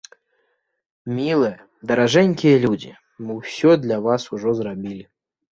Мілыя, даражэнькія людзі, мы ўсё для вас ужо зрабілі!